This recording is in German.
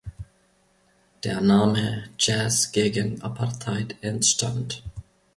Der Name „Jazz gegen Apartheid“ entstand.